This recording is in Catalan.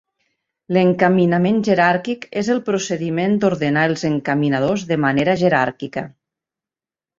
L'encaminament jeràrquic és el procediment d'ordenar els encaminadors de manera jeràrquica.